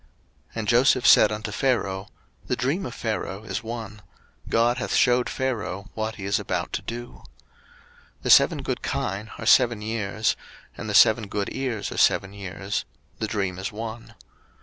01:041:025 And Joseph said unto Pharaoh, The dream of Pharaoh is one: God hath shewed Pharaoh what he is about to do. 01:041:026 The seven good kine are seven years; and the seven good ears are seven years: the dream is one.